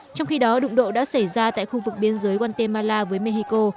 trong khi đó đụng độ đã xảy ra tại khu vực biên giới guatemala với mexico